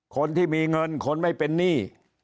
คนที่มีเงินคนไม่เป็นหนี้